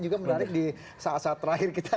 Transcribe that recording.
juga menarik di saat saat terakhir kita